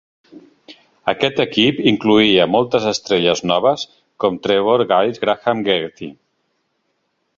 Aquest equip incloïa moltes estrelles noves com Trevor Giles Graham Geraghty.